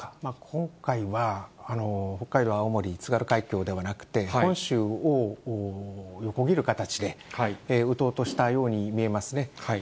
今回は、北海道、青森、津軽海峡ではなくて、本州を横切る形で撃とうとしたように見えますね。